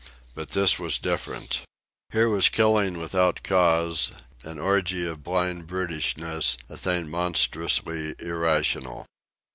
But this was different. Here was killing without cause, an orgy of blind brutishness, a thing monstrously irrational.